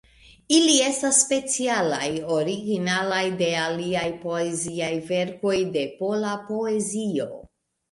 Ili estas specialaj, originalaj de aliaj poeziaj verkoj de pola poezio.